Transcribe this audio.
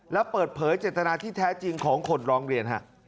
และเปิดเผยเจตนาที่แท้จริงของคนร้องเรียน